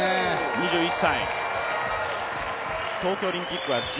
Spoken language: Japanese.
２１歳。